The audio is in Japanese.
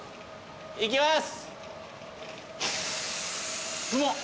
いきます！